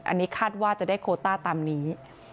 อันนี้คาดว่าจะได้โคต้าตามนี้